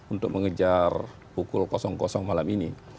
untuk mengejar pukul malam ini